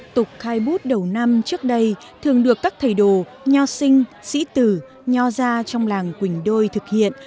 tục khai bút đầu năm trước đây thường được các thầy đồ nho sinh sĩ tử nho gia trong làng quỳnh đôi thực hiện